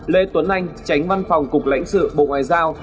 lê tuấn anh tránh văn phòng cục lãnh sự bộ ngoại giao